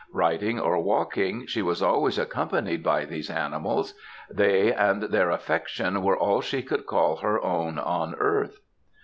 Riding or walking, she was always accompanied by these animals they and their affection were all she could call her own on earth.